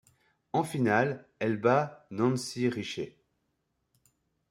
En finale, elle bat Nancy Richey.